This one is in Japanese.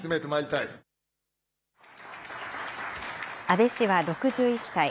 阿部氏は６１歳。